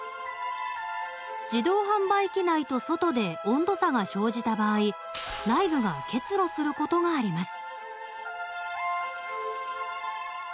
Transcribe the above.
自動販売機内と外で温度差が生じた場合内部が結露することがあります。